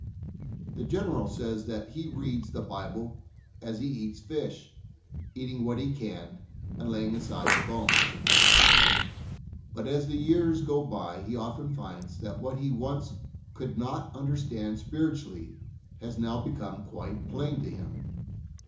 The General says that he reads the Bible as he eats fish, eating what he can, and laying aside the bones ; but as the years go by he often finds that what he once could not understand spiritually has now become quite plain to him.